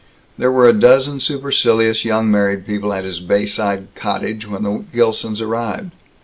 There were a dozen supercilious young married people at his bayside cottage when the Gilsons arrived.